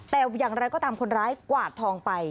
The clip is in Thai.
แต่อย่างไรก็ตามคนร้ายกวาดทองไป